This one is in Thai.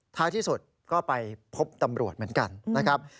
ท้ายที่สุดก็ไปพบตำรวจเหมือนกันนะครับ